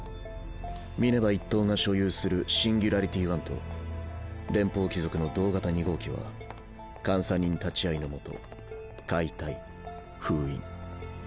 ミネバ一党が所有するシンギュラリティ・ワンと連邦帰属の同型２号機は監査人立ち会いのもと解体封印。